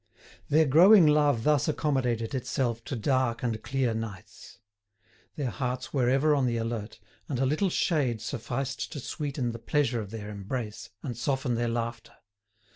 Their growing love thus accommodated itself to dark and clear nights. Their hearts were ever on the alert, and a little shade sufficed to sweeten the pleasure of their embrace, and soften their laughter.